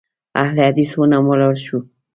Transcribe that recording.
اهل حدیث ونومول شوه.